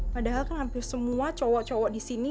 padahal kan hampir semua cowok cowok disini